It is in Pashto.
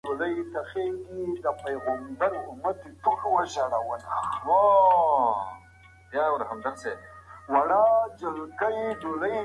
ډاکټران وايي، میلیونونه خلک بې له اړتیا یې کاروي.